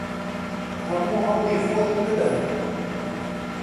هەموو هەوڵی خۆت بدە!